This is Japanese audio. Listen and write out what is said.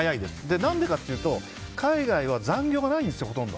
何でかというと海外は残業がないんですほとんど。